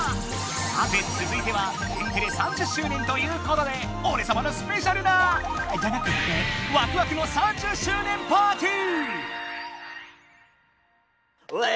さてつづいては「天てれ３０周年」ということでおれさまのスペシャルなじゃなくてワクワクの３０周年パーティー！